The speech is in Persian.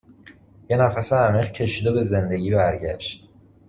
یه نفس عمیق کشید و به زندگی برگشت